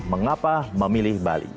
mengapa memilih bali